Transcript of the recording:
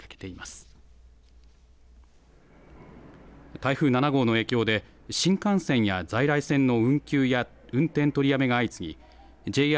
台風７号の影響で新幹線や在来線の運休や運転取りやめが相次ぎＪＲ